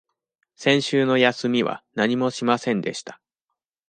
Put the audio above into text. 先週の休みは何もしませんでした。